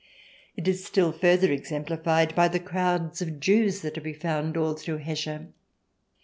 It is still further exemplified by the crowds of Jews that are to be found all through Hessia.